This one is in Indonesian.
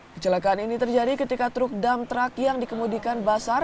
kecelakaan ini terjadi ketika truk dam truck yang dikemudikan basar